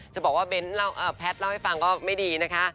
จะบอกว่าแพทย์เล่าให้ฟังก็ไม่ดีนะคะ